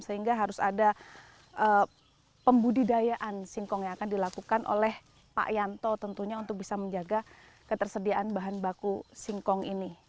sehingga harus ada pembudidayaan singkong yang akan dilakukan oleh pak yanto tentunya untuk bisa menjaga ketersediaan bahan baku singkong ini